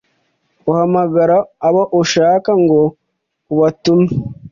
uhamagara abo ushaka, ngo ubatume